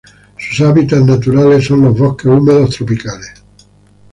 Sus hábitats naturales son bosques húmedos tropicales.